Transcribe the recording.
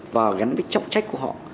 và gắn với chóc trách của họ